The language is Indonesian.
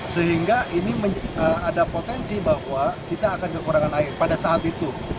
sehingga ini ada potensi bahwa kita akan kekurangan air pada saat itu